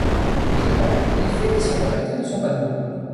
Deuxièmement, les faits qui sont corrects ne sont pas nouveaux.